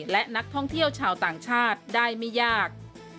และนักท่องเที่ยวชาวต่างชาติได้ไม่ยาก